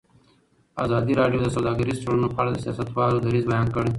ازادي راډیو د سوداګریز تړونونه په اړه د سیاستوالو دریځ بیان کړی.